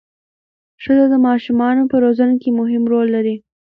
ښځه د ماشومانو په روزنه کې مهم رول لري